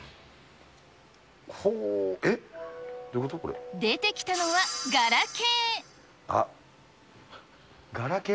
ほー、出てきたのはガラケー。